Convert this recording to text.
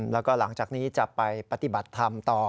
แล้วก็หลังจากนี้จะไปปฏิบัติธรรมต่อ